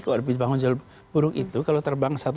kalau bangun jalur burung itu kalau terbang satu